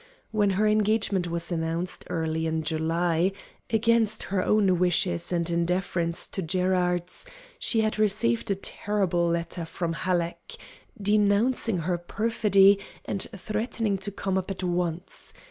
When her engagement was announced, early in July against her own wishes and in deference to Gerard's she had received a terrible letter from Halleck, denouncing her perfidy, and threatening to come up at once.